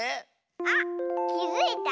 あっきづいた？